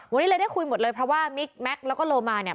วันนี้เลยได้คุยหมดเลยเพราะว่ามิกแม็กซ์แล้วก็โลมาเนี่ย